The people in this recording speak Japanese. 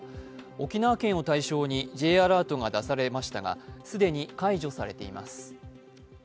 沖縄県を対象にＪアラートが出されましたが、既に解除されています。